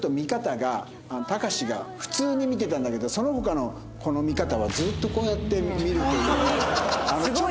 たかしが普通に見てたんだけどその他の子の見方はずっとこうやって見るという。